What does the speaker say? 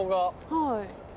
はい。